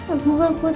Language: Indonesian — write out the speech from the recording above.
aku gak kuat